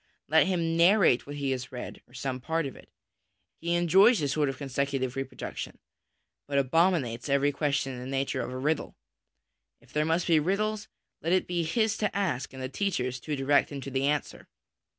Let him narrate what he has read, or some part of it. He enjoys this sort of con secutive reproduction, but abominates every question in the nature of a riddle. If there must be riddles, let it be his to ask and the teacher's to direct him to the answer.